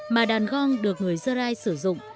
mà đàn gong được người dơ rai sử dụng